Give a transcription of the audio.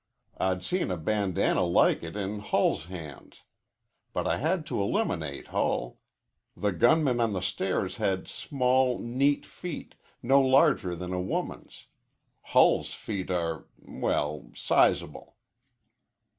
I'd seen a bandanna like it in Hull's hands. But I had to eliminate Hull. The gunman on the stairs had small, neat feet, no larger than a woman's. Hull's feet are well, sizable."